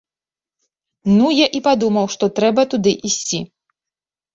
Ну я і падумаў, што трэба туды ісці.